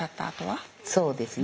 そうですね。